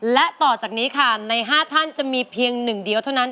และต่อจากนี้ค่ะใน๕ท่านจะมีเพียงหนึ่งเดียวเท่านั้น